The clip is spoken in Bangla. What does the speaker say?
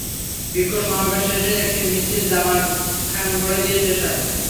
বিক্ষোভ সমাবেশ শেষে একটি মিছিল জামাল খান মোড়ে গিয়ে শেষ হয়।